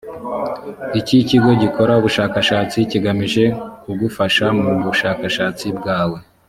iki kigo gikora ubushakashatsi kigamije kugufasha mu bushakashatsi bwawe